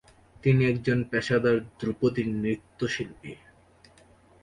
তিনি একজন পেশাদার ধ্রুপদী নৃত্যশিল্পী।